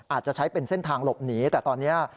อาจจะใช้เป็นเส้นทางหลบหนีแต่ตอนนี้